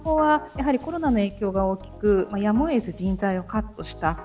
特に観光は、やはりコロナの影響が大きくやむを得ず人材をカットした。